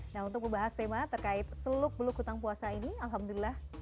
nah untuk membahas tema terkait seluk beluk hutang puasa ini alhamdulillah